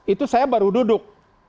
itu saya baru duduk